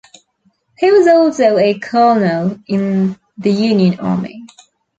He was also a colonel in the Union Army.